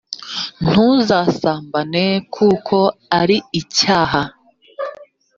ntuzasambane kuko ari icyaha.